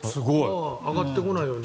上がってこないように。